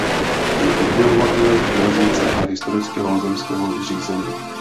Je obdivovatelem železnice a historického zemského zřízení.